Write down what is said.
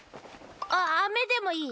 ああめでもいい？